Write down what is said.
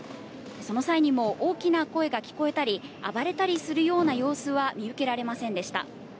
その際にも大きな声が聞こえたり、暴れたりするような様子は見受けられませんでした。